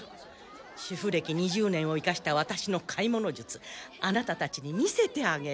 主婦歴２０年を生かしたワタシの買い物術アナタたちに見せてあげる。